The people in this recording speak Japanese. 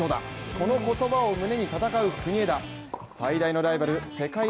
この言葉を胸に戦う国枝。